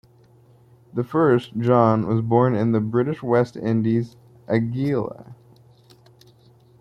The first, John, was born in the British West Indies-Antigua.